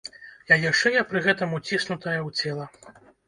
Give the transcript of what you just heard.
Яе шыя пры гэтым уціснутая ў цела.